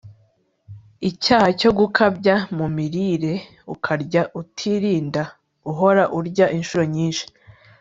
icyaha cyo gukabya mu mirire, ukarya utirinda, uhora urya inshuro nyinshi